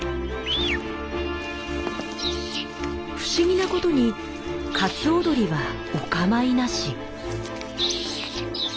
不思議なことにカツオドリはお構いなし。